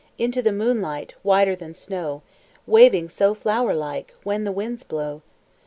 Into the moonlight, Whiter than snow, Waving so flower like When the winds blow!